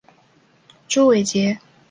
朱伟捷。